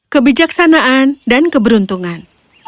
kebijaksanaan dan keberuntungan